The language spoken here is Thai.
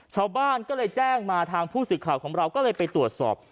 ชาวบ้านก็เลยแจ้งมาทางผู้สื่อข่าวของเราก็เลยไปตรวจสอบ